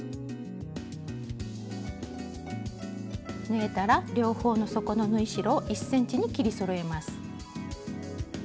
縫えたら両方の底の縫い代を１ｃｍに切りそろえます。